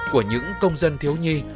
của những công dân thiếu nhi